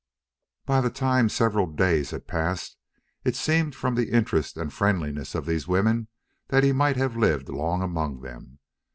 By the time several like days had passed it seemed from the interest and friendliness of these women that he might have lived long among them.